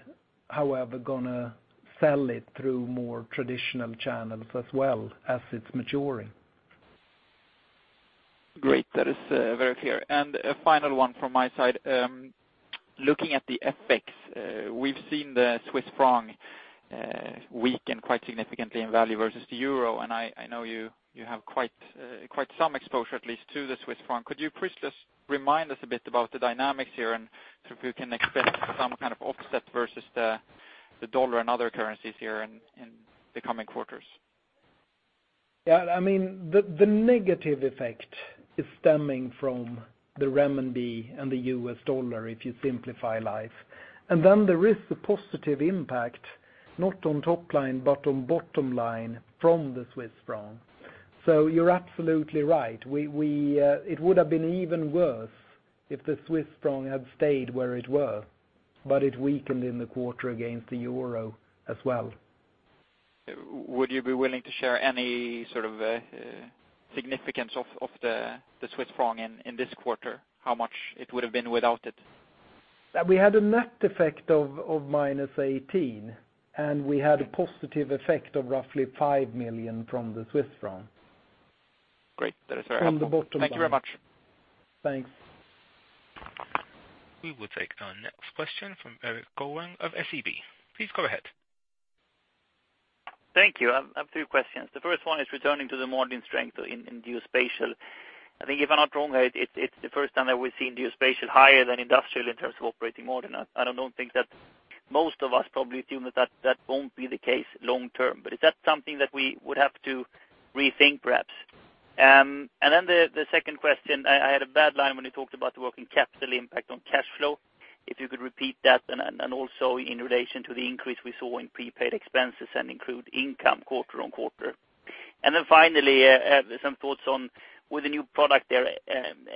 however, going to sell it through more traditional channels as well as it's maturing. Great. That is very clear. A final one from my side. Looking at the FX, we've seen the Swiss franc weaken quite significantly in value versus the euro, and I know you have quite some exposure at least to the Swiss franc. Could you please just remind us a bit about the dynamics here and if you can expect some kind of offset versus the dollar and other currencies here in the coming quarters? Yeah. The negative effect is stemming from the renminbi and the U.S. dollar, if you simplify life. Then there is the positive impact, not on top line, but on bottom line from the Swiss franc. You're absolutely right. It would have been even worse if the Swiss franc had stayed where it were. It weakened in the quarter against the euro as well. Would you be willing to share any sort of significance of the Swiss franc in this quarter? How much it would have been without it? We had a net effect of minus 18, and we had a positive effect of roughly 5 million from the Swiss franc. Great. That is very helpful. From the bottom line. Thank you very much. Thanks. We will take our next question from Erik Golrang of SEB. Please go ahead. Thank you. I have two questions. The first one is returning to the margin strength in Geospatial. I think if I'm not wrong, it's the first time that we're seeing Geospatial higher than Industrial in terms of operating margin. I don't think that most of us probably assume that that won't be the case long term. Is that something that we would have to rethink, perhaps? The second question, I had a bad line when you talked about the working capital impact on cash flow. If you could repeat that, and also in relation to the increase we saw in prepaid expenses and accrued income quarter-on-quarter. Finally, some thoughts on with the new product there,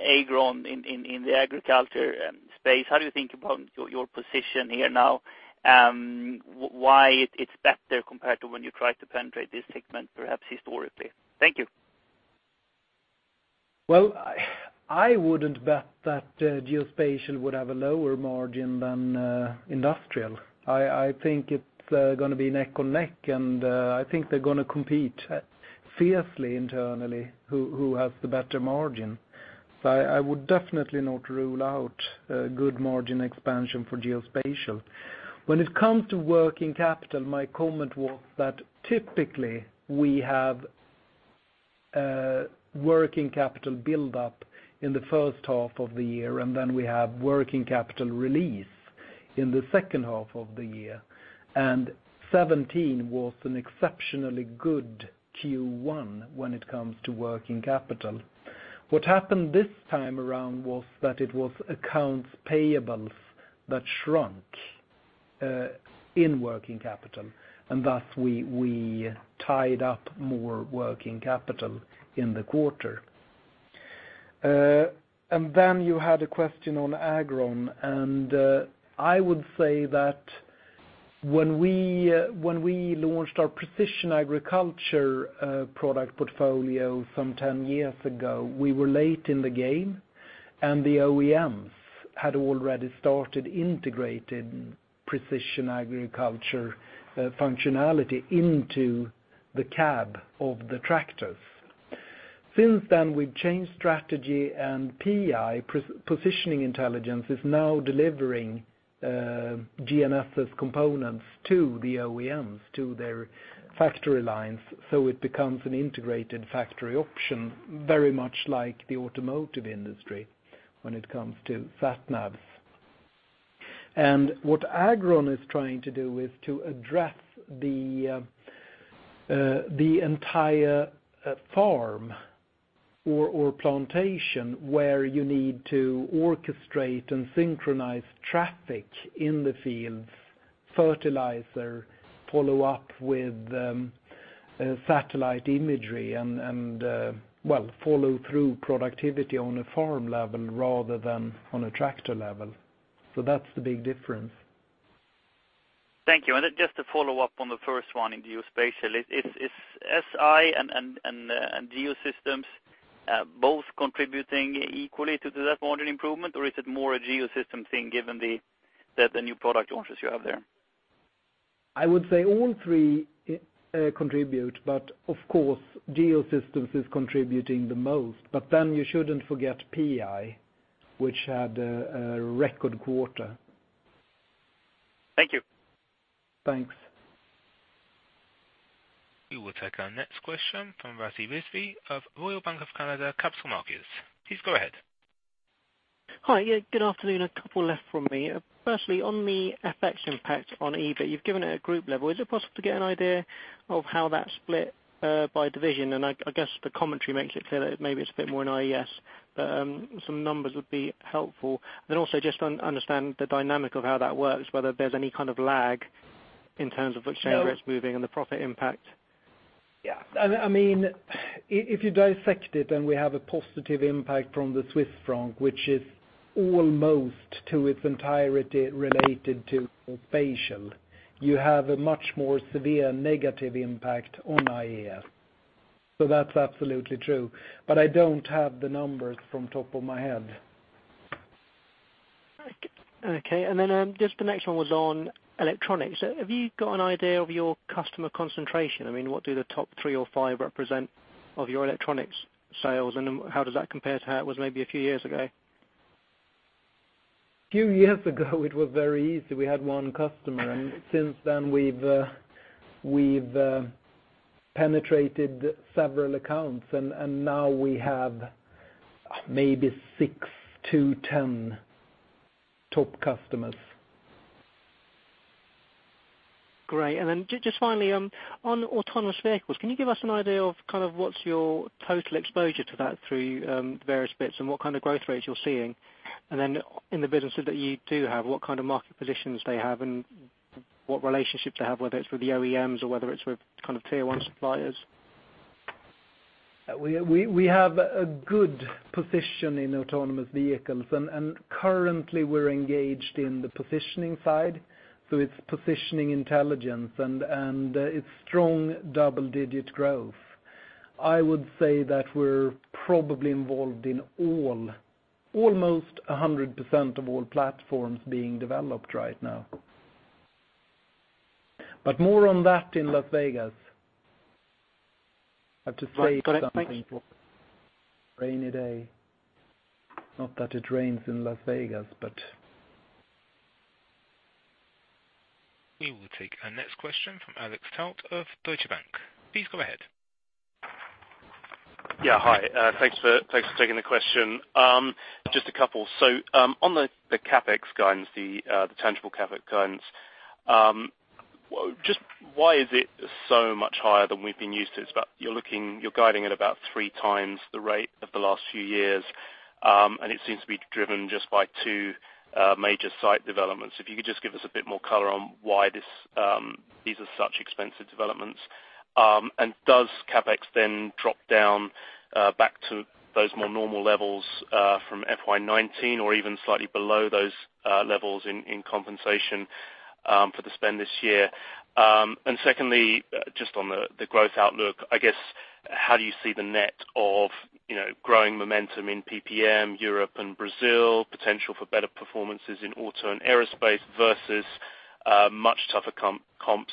AgrOn in the agriculture space, how do you think about your position here now? Why it's better compared to when you tried to penetrate this segment, perhaps historically? Thank you. Well, I wouldn't bet that Geospatial would have a lower margin than Industrial. I think it's going to be neck and neck, and I think they're going to compete fiercely internally, who has the better margin. I would definitely not rule out a good margin expansion for Geospatial. When it comes to working capital, my comment was that typically we have working capital build-up in the first half of the year, and then we have working capital release in the second half of the year. 2017 was an exceptionally good Q1 when it comes to working capital. What happened this time around was that it was accounts payables that shrunk in working capital, and thus we tied up more working capital in the quarter. You had a question on AgrOn, and I would say that when we launched our precision agriculture product portfolio some 10 years ago, we were late in the game, and the OEMs had already started integrating precision agriculture functionality into the cab of the tractors. Since then, we've changed strategy, and PI, Positioning Intelligence, is now delivering GNSS components to the OEMs, to their factory lines, so it becomes an integrated factory option, very much like the automotive industry when it comes to SatNavs. What AgrOn is trying to do is to address the entire farm or plantation where you need to orchestrate and synchronize traffic in the fields, fertilizer, follow up with satellite imagery, and follow through productivity on a farm level rather than on a tractor level. That's the big difference. Thank you. Just to follow up on the first one in Geospatial. Is SI and Geosystems both contributing equally to that margin improvement, or is it more a Geosystems thing given that the new product launches you have there? I would say all three contribute, of course, Geosystems is contributing the most. You shouldn't forget PI, which had a record quarter. Thank you. Thanks. We will take our next question from [Rajeev Rizvi] of Royal Bank of Canada Capital Markets. Please go ahead. Hi. Good afternoon. A couple left from me. Firstly, on the FX impact on EBIT, you've given it at group level. Is it possible to get an idea of how that's split by division? I guess the commentary makes it clear that maybe it's a bit more in IES, but some numbers would be helpful. Also just to understand the dynamic of how that works, whether there's any kind of lag in terms of exchange rates moving and the profit impact. Yeah. If you dissect it, we have a positive impact from the Swiss franc, which is almost to its entirety related to Geospatial. You have a much more severe negative impact on IES. That's absolutely true. I don't have the numbers from top of my head. Okay. Just the next one was on Electronics. Have you got an idea of your customer concentration? What do the top three or five represent of your electronics sales, and how does that compare to how it was maybe a few years ago? A few years ago, it was very easy. We had one customer, since then we've penetrated several accounts, now we have maybe six to 10 top customers. Great. Just finally, on autonomous vehicles, can you give us an idea of what's your total exposure to that through various bits, and what kind of growth rates you're seeing? In the businesses that you do have, what kind of market positions they have and what relationships they have, whether it's with the OEMs or whether it's with tier 1 suppliers? We have a good position in autonomous vehicles. Currently we're engaged in the positioning side, so it's Positioning Intelligence, and it's strong double-digit growth. I would say that we're probably involved in almost 100% of all platforms being developed right now. More on that in Las Vegas. I have to save something- Right. Got it. Thanks for a rainy day. Not that it rains in Las Vegas, but We will take our next question from Alexander Tout of Deutsche Bank. Please go ahead. Yeah. Hi. Thanks for taking the question. Just a couple. On the CapEx guidance, the tangible CapEx guidance, just why is it so much higher than we've been used to? You're guiding at about three times the rate of the last few years, and it seems to be driven just by two major site developments. If you could just give us a bit more color on why these are such expensive developments. Does CapEx then drop down back to those more normal levels from FY 2019 or even slightly below those levels in compensation for the spend this year? Secondly, just on the growth outlook, I guess, how do you see the net of growing momentum in PP&M, Europe and Brazil, potential for better performances in auto and aerospace versus much tougher comps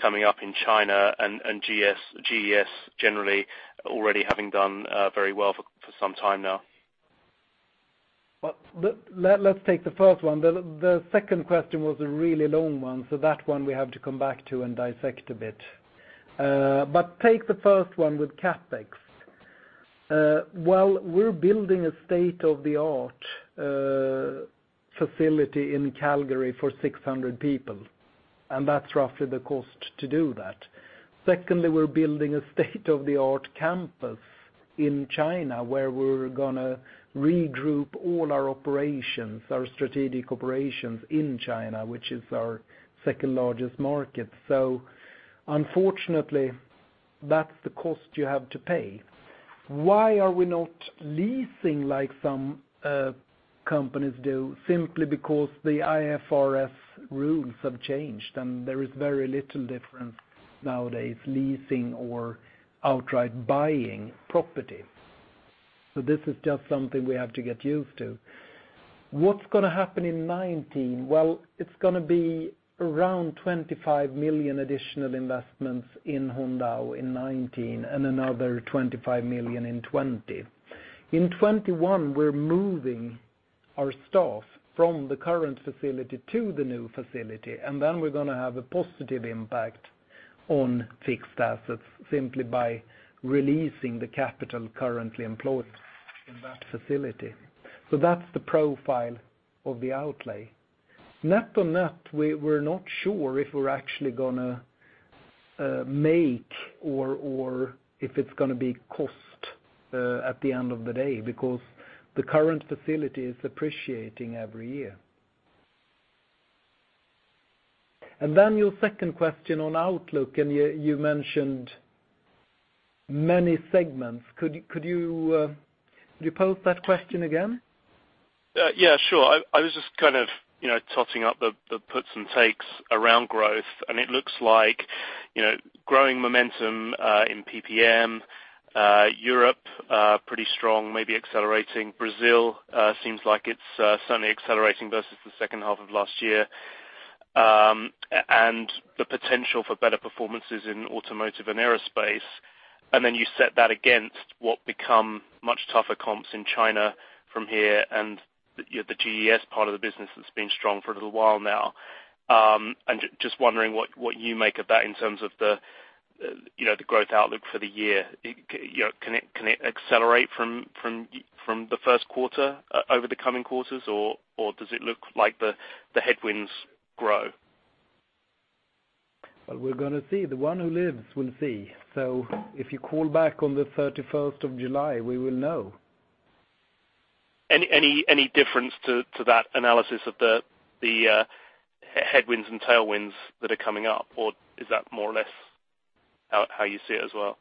coming up in China and GES generally already having done very well for some time now? Let's take the first one. The second question was a really long one, that one we have to come back to and dissect a bit. Take the first one with CapEx. Well, we're building a state-of-the-art facility in Calgary for 600 people, and that's roughly the cost to do that. Secondly, we're building a state-of-the-art campus in China, where we're going to regroup all our strategic operations in China, which is our second-largest market. Unfortunately, that's the cost you have to pay. Why are we not leasing like some companies do? Simply because the IFRS rules have changed, and there is very little difference nowadays leasing or outright buying property. This is just something we have to get used to. What's going to happen in 2019? Well, it's going to be around 25 million additional investments in Hongdao in 2019, and another 25 million in 2020. In 2021, we're moving our staff from the current facility to the new facility. We're going to have a positive impact on fixed assets simply by releasing the capital currently employed in that facility. That's the profile of the outlay. Net of net, we're not sure if we're actually going to make or if it's going to be cost at the end of the day, because the current facility is appreciating every year. Your second question on outlook, and you mentioned many segments. Could you pose that question again? Yeah, sure. I was just kind of totting up the puts and takes around growth, and it looks like growing momentum, in PP&M, Europe, pretty strong, maybe accelerating. Brazil seems like it's certainly accelerating versus the second half of last year. The potential for better performances in automotive and aerospace. You set that against what become much tougher comps in China from here and the GES part of the business that's been strong for a little while now. Just wondering what you make of that in terms of the growth outlook for the year. Can it accelerate from the first quarter over the coming quarters, or does it look like the headwinds grow? Well, we're going to see. The one who lives will see. If you call back on the 31st of July, we will know. Any difference to that analysis of the headwinds and tailwinds that are coming up? Or is that more or less how you see it as well?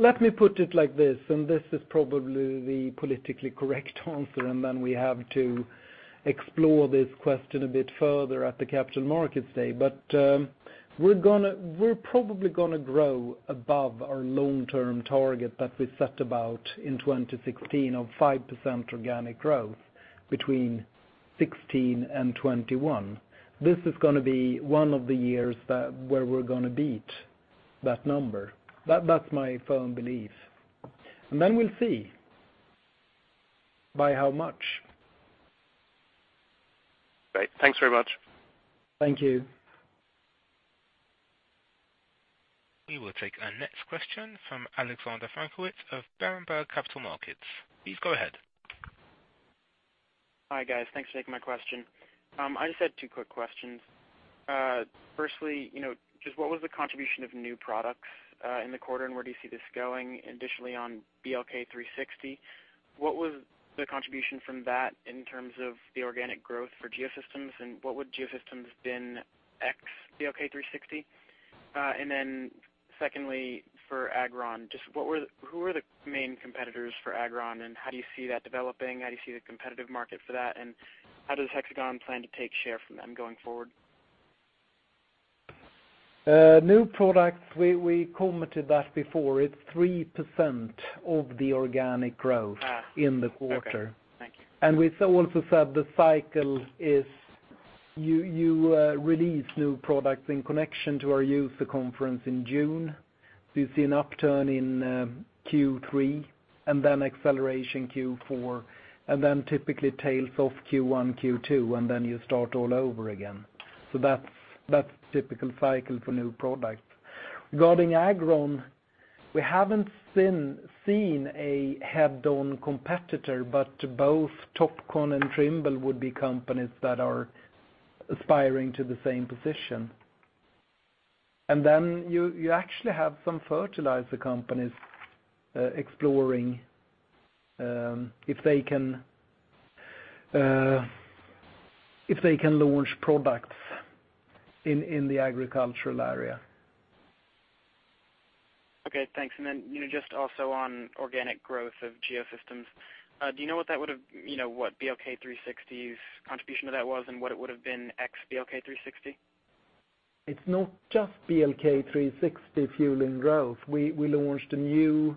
Let me put it like this is probably the politically correct answer, then we have to explore this question a bit further at the Capital Markets Day. We're probably going to grow above our long-term target that we set about in 2016 of 5% organic growth between 2016 and 2021. This is going to be one of the years where we're going to beat that number. That's my firm belief. Then we'll see by how much. Great. Thanks very much. Thank you. We will take our next question from Alexander Franke of Berenberg Capital Markets. Please go ahead. Hi, guys. Thanks for taking my question. I just had two quick questions. Firstly, just what was the contribution of new products, in the quarter, and where do you see this going additionally on BLK360? What was the contribution from that in terms of the organic growth for Geosystems, and what would Geosystems been ex the BLK360? Secondly, for AgrOn, who are the main competitors for AgrOn, and how do you see that developing? How do you see the competitive market for that, and how does Hexagon plan to take share from them going forward? New products, we commented that before, it's 3% of the organic growth- in the quarter. Okay, thank you. We also said the cycle is, you release new products in connection to our user conference in June. You see an upturn in Q3. Acceleration Q4. Typically tails off Q1, Q2. You start all over again. That's typical cycle for new products. Regarding HxGN AgrOn, we haven't seen a head-on competitor, but both Topcon and Trimble would be companies that are aspiring to the same position. You actually have some fertilizer companies exploring if they can launch products in the agricultural area. Okay, thanks. Just also on organic growth of Geosystems, do you know what that would've, what BLK360's contribution to that was and what it would've been ex BLK360? It's not just BLK360 fueling growth. We launched a new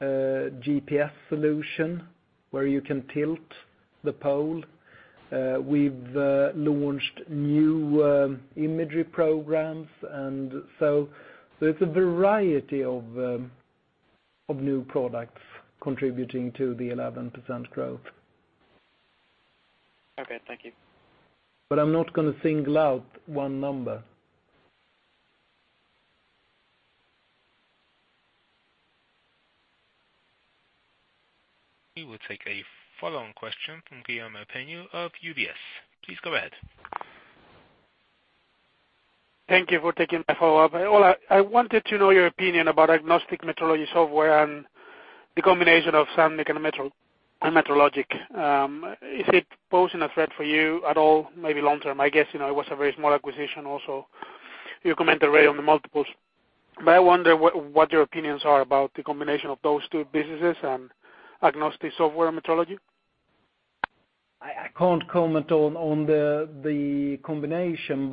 GPS solution where you can tilt the pole. We've launched new imagery programs. There's a variety of new products contributing to the 11% growth. Okay, thank you. I'm not going to single out one number. We will take a follow-on question from Guillaume Kintz of UBS. Please go ahead. Thank you for taking my follow-up. Ola, I wanted to know your opinion about agnostic metrology software and the combination of Sandvik Metrologic. Is it posing a threat for you at all, maybe long term? I guess, it was a very small acquisition also. You commented already on the multiples, but I wonder what your opinions are about the combination of those two businesses and agnostic software metrology. I can't comment on the combination,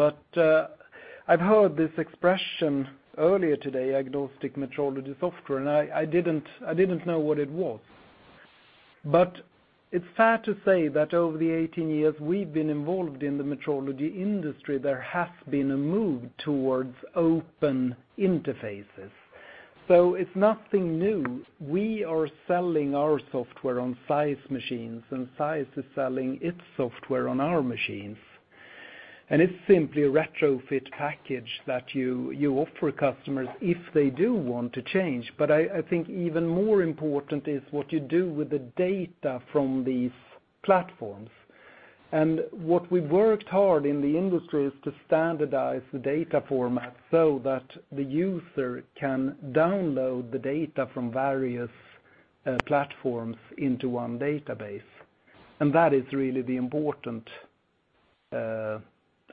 I've heard this expression earlier today, agnostic metrology software, and I didn't know what it was. It's fair to say that over the 18 years we've been involved in the metrology industry, there has been a move towards open interfaces. It's nothing new. We are selling our software on Zeiss machines, and Zeiss is selling its software on our machines. It's simply a retrofit package that you offer customers if they do want to change. I think even more important is what you do with the data from these platforms. What we've worked hard in the industry is to standardize the data format so that the user can download the data from various platforms into one database. That is really the important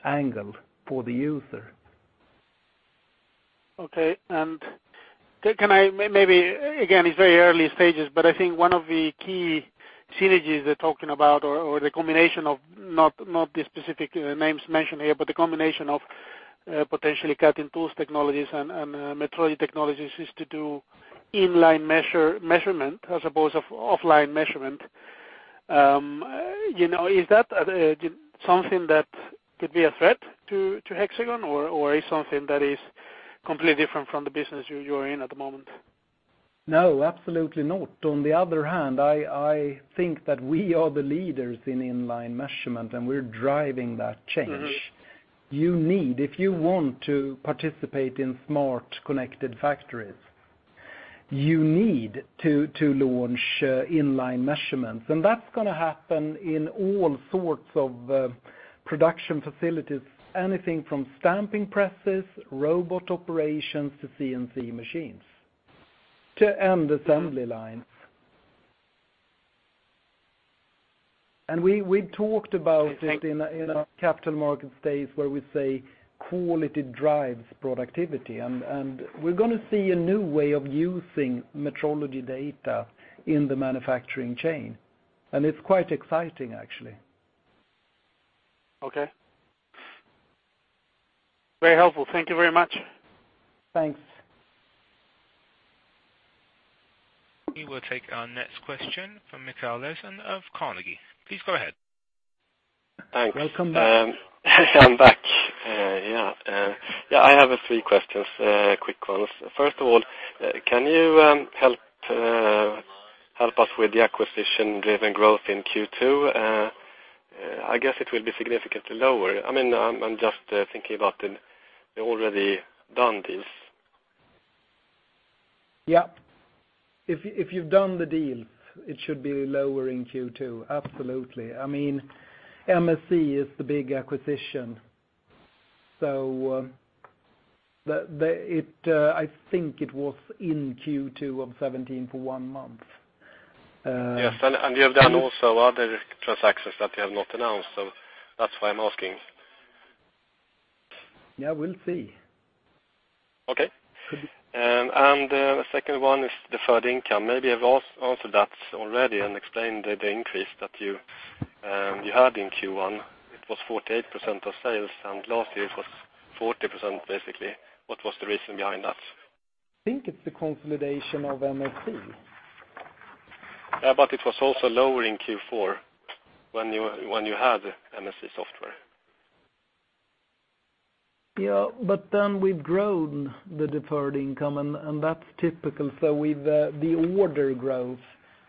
angle for the user. Okay. Can I maybe, again, it's very early stages, but I think one of the key synergies they're talking about or the combination of, not the specific names mentioned here, but the combination of potentially cutting tools technologies and metrology technologies is to do inline measurement as opposed of offline measurement. Is that something that could be a threat to Hexagon, or is something that is completely different from the business you're in at the moment? No, absolutely not. On the other hand, I think that we are the leaders in inline measurement, and we're driving that change. If you want to participate in smart connected factories, you need to launch inline measurements. That's going to happen in all sorts of production facilities. Anything from stamping presses, robot operations, to CNC machines, to end assembly lines. We talked about it in our capital market stage where we say quality drives productivity, and we're going to see a new way of using metrology data in the manufacturing chain, and it's quite exciting actually. Okay. Very helpful. Thank you very much. Thanks. We will take our next question from Mikael Laséen of Carnegie. Please go ahead. Thanks. Welcome back. I'm back. Yeah. I have three questions, quick ones. First of all, can you help us with the acquisition-driven growth in Q2? I guess it will be significantly lower. I'm just thinking about the already done deals. Yeah. If you've done the deals, it should be lower in Q2, absolutely. MSC is the big acquisition. I think it was in Q2 of 2017 for one month. Yes, you have done also other transactions that you have not announced, so that's why I'm asking. Yeah, we'll see. Okay. The second one is deferred income. Maybe you have answered that already and explained the increase that you had in Q1. It was 48% of sales, and last year it was 40%, basically. What was the reason behind that? I think it's the consolidation of MSC. Yeah, it was also lower in Q4 when you had MSC Software. Yeah, we've grown the deferred income, and that's typical. The order growth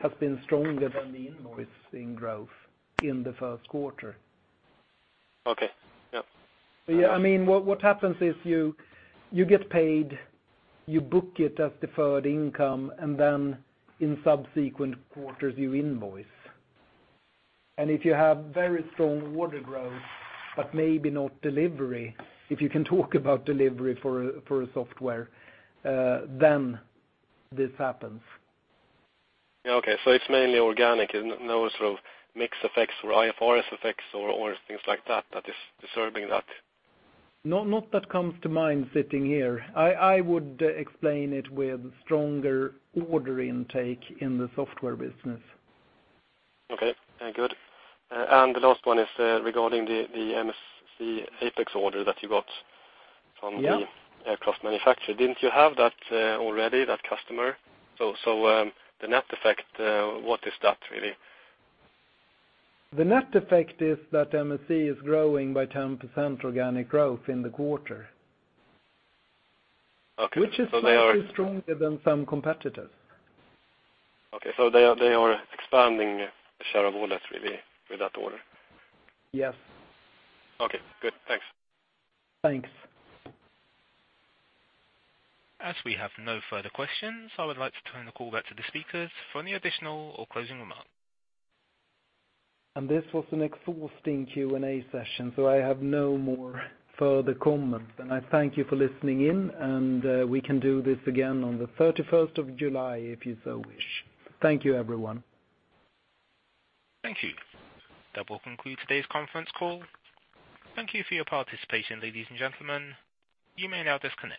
has been stronger than the invoicing growth in the first quarter. Okay. Yep. I mean, what happens is you get paid, you book it as deferred income, and then in subsequent quarters, you invoice. If you have very strong order growth, but maybe not delivery, if you can talk about delivery for a software, then this happens. Okay, it's mainly organic, no sort of mix effects or IFRS effects or things like that that is disturbing that. Not that comes to mind sitting here. I would explain it with stronger order intake in the software business. Okay, good. The last one is regarding the MSC Apex order that you got from the- Yeah aircraft manufacturer. Didn't you have that already, that customer? The net effect, what is that really? The net effect is that MSC is growing by 10% organic growth in the quarter. Okay, they are. Which is slightly stronger than some competitors. Okay, so they are expanding their share of orders really with that order. Yes. Okay, good. Thanks. Thanks. As we have no further questions, I would like to turn the call back to the speakers for any additional or closing remarks. This was an exhausting Q&A session, so I have no more further comments. I thank you for listening in, and we can do this again on the 31st of July if you so wish. Thank you, everyone. Thank you. That will conclude today's conference call. Thank you for your participation, ladies and gentlemen. You may now disconnect